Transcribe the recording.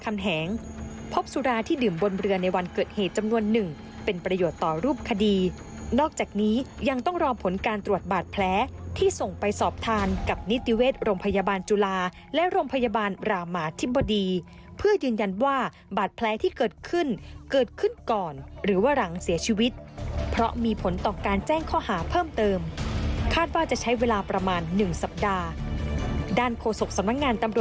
คุณแตงโมที่ทำธุระอยู่ท้ายเรือคุณแตงโมที่ทำธุระอยู่ท้ายเรือคุณแตงโมที่ทำธุระอยู่ท้ายเรือคุณแตงโมที่ทำธุระอยู่ท้ายเรือคุณแตงโมที่ทำธุระอยู่ท้ายเรือคุณแตงโมที่ทำธุระอยู่ท้ายเรือคุณแตงโมที่ทำธุระอยู่ท้ายเรือคุณแตงโมที่ทำธุระอยู่ท้ายเรือคุณแตงโมที่ทำ